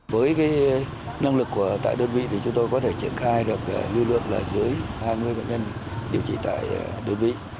với năng lực tại đơn vị thì chúng tôi có thể triển khai được lưu lượng là dưới hai mươi bệnh nhân điều trị tại đơn vị